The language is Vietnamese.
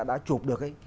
đã chụp được ấy